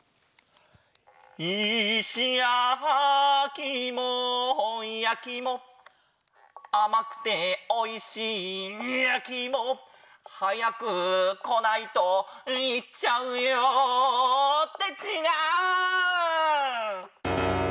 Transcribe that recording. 「いしやきいもやきいも」「あまくておいしいやきいも」「はやくこないといっちゃうよ」ってちがう！